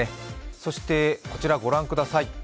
そしてこちらご覧ください。